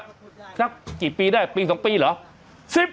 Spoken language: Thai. สักกี่ปีได้ปี๒ปีเหรอ